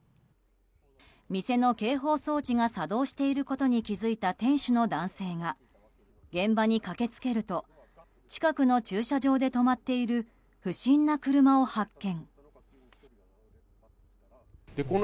店の警報装置が作動していることに気づいた店主の男性が現場に駆け付けると近くの駐車場で止まっている不審な車を発見。